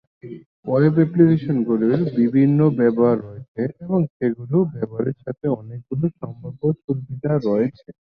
Web অ্যাপ্লিকেশনগুলির বিভিন্ন বিভিন্ন ব্যবহার রয়েছে এবং সেগুলি ব্যবহারের সাথে সাথে অনেকগুলি সম্ভাব্য সুবিধা রয়েছে।